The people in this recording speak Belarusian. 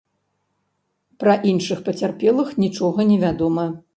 Пра іншых пацярпелых нічога не вядома.